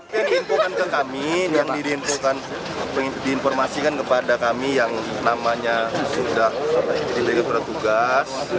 yang diinfo kan ke kami yang diinfo kan diinformasikan kepada kami yang namanya sudah diberi peratugas